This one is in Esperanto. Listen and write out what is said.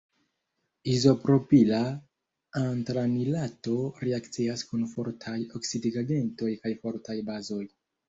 Izopropila antranilato reakcias kun fortaj oksidigagentoj kaj fortaj bazoj.